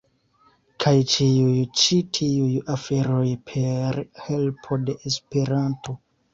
Kaj ĉiuj ĉi tiuj aferoj per helpo de Esperanto.